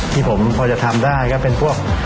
ที่ผมพอจะทำได้ก็เป็นพวก